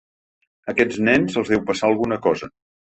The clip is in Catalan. A aquests nens els deu passar alguna cosa.